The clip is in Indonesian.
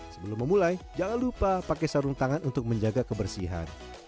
sebelum memulai jangan lupa pakai sarung tangan untuk menjaga kebersihan